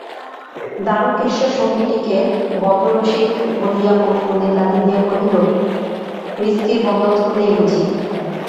দারুকেশ্বর সঙ্গীটিকে বদরসিক বলিয়া মনে মনে গালি দিয়া কহিল, হুইস্কির বন্দোবস্ত নেই বুঝি?